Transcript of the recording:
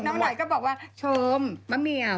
น้องหน่อยก็บอกว่าชมมาเมียว